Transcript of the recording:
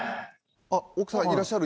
あっ奥さんいらっしゃる？